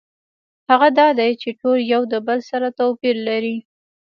هغه دا دی چې ټول یو د بل سره توپیر لري.